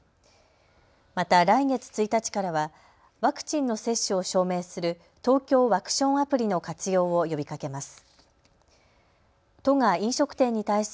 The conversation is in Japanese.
また来月１日からはワクチンの接種を証明するＴＯＫＹＯワクションアプリの活用を呼びかけます。